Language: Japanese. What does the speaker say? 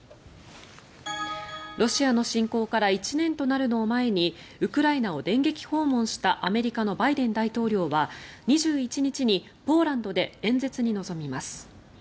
ロシアの侵攻から１年となるのを前にウクライナを電撃訪問したアメリカのバイデン大統領は２１日にポーランドで演説に臨みます。